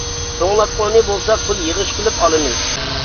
توڭلاتقۇنى بولسا پۇل يىغىش قىلىپ ئالىمىز.